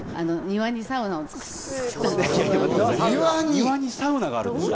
庭にサウナがあるんですか。